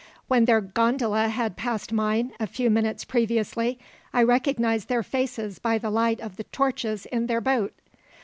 When their gondola had passed mine, a few minutes previously, I recognized their faces by the light of the torches in their boat."